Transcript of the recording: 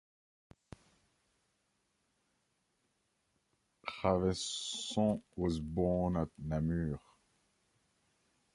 Ravaisson was born at Namur.